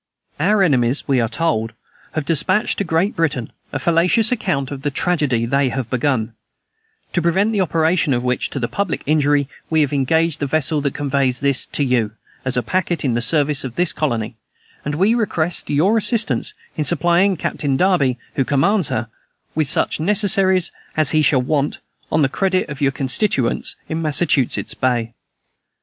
"Our enemies, we are told, have despatched to Great Britain a fallacious account of the tragedy they have begun; to prevent the operation of which to the public injury, we have engaged the vessel that conveys this to you, as a packet in the service of this colony, and we request your assistance in supplying Captain Derby, who commands her, with such necessaries as he shall want, on the credit of your constituents in Massachusetts Bay.